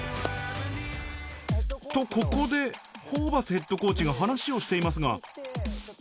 と、ここでホーバスヘッドコーチが話をしていますが。